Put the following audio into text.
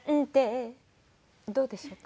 どうでしょうか？